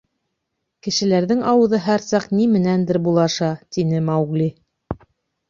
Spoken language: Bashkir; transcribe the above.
Кешеләрҙең ауыҙы һәр саҡ ни менәндер булаша, — тине Маугли.